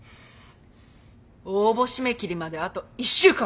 応募締め切りまであと１週間！